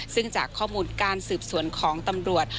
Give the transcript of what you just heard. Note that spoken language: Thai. ซึ่งจากข้อมูลการสืบสวนของตำรวจ